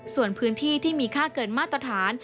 ส่วนพื้นที่ที่มีค่าเกินมาตรฐาน